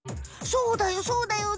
そうだよそうだよ。